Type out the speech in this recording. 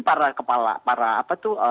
para kepala para apa itu